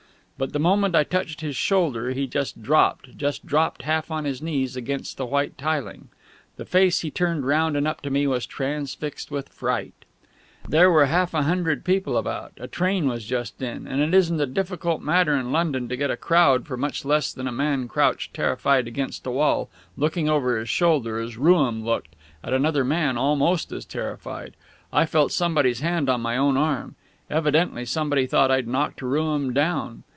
But, the moment I touched his shoulder, he just dropped just dropped, half on his knees against the white tiling. The face he turned round and up to me was transfixed with fright. There were half a hundred people about a train was just in and it isn't a difficult matter in London to get a crowd for much less than a man crouching terrified against a wall, looking over his shoulder as Rooum looked, at another man almost as terrified. I felt somebody's hand on my own arm. Evidently somebody thought I'd knocked Rooum down.